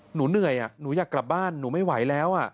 หนูเหนื่อยหนูอยากกลับบ้านหนูไม่ไหวแล้ว